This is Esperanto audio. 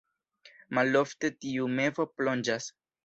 Malofte tiu mevo plonĝas.